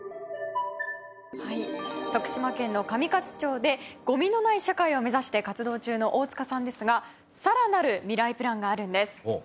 徳島県の上勝町でごみのない社会を目指して活動中の大塚さんですがさらなるミライプランがあるんです。